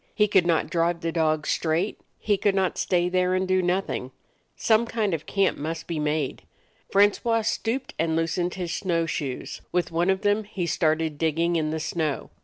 He could not drive the dogs straight ; he could not stay there and do nothing. Seme kind of a camp must be made. Francois stooped and loosened his snow shoes; with one of them he started dig ging in the snow.